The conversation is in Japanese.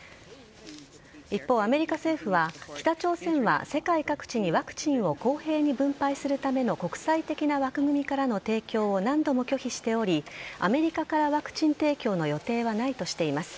一方、アメリカ政府は北朝鮮は世界各地にワクチンを公平に分配するための国際的な枠組みからの提供を何度も拒否しておりアメリカからワクチン提供の予定はないとしています。